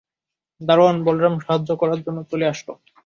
দারোয়ান বলরাম সাহায্য করার জন্য চলে আসল।